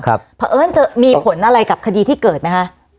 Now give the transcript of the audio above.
สมมุติจะมีผลอะไรกับคดีที่เกิดนะคะ